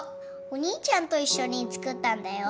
お兄ちゃんと一緒に作ったんだよ。